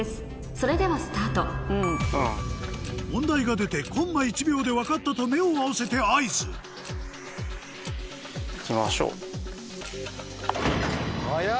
それではスタート問題が出てコンマ１秒で「分かった」と目を合わせて合図早い！